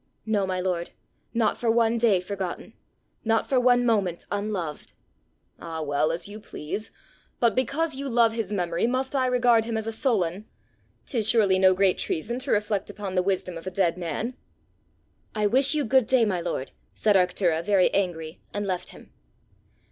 "No, my lord; not for one day forgotten! not for one moment unloved!" "Ah, well, as you please! but because you love his memory must I regard him as a Solon? 'Tis surely no great treason to reflect upon the wisdom of a dead man!" "I wish you good day, my lord!" said Arctura, very angry, and left him.